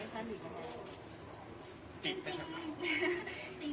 จริงหมด